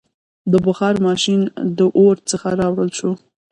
• د بخار ماشین د اور څخه راوړل شو.